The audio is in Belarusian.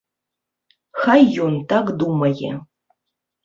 Хай ён так думае.